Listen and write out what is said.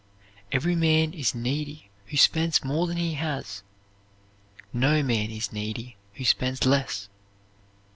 Every man is needy who spends more than he has; no man is needy who spends less.